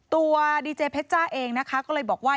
ตัวดีเจเพชจ้าเองนะคะก็เลยบอกว่า